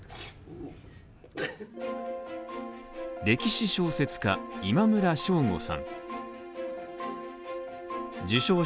歴史小説家、今村翔吾さん